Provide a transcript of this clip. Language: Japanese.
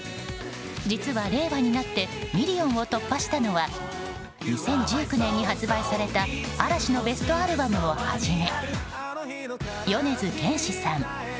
実は令和になってミリオンを突破したのは２０１９年に発売された嵐のベストアルバムをはじめ米津玄師さん